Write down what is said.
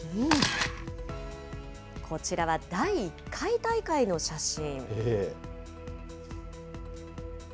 こちらは第１回大会の写真。